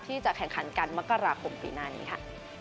ที่จะแข่งขันกันมกราคมปีหน้านี้ค่ะ